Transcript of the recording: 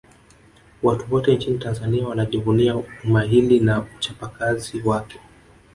watu wote nchini tanzania wanajivunia umahili na uchapakazi wake